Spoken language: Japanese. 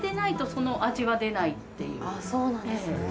そうなんですね。